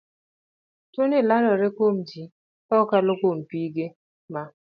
Tuo ni landore kuomji ka okalo kuom pige ma